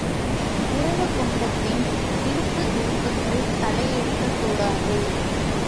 உறவு கொண்டபின் விருப்பு வெறுப்புகள் தலையெடுக்கக்கூடாது.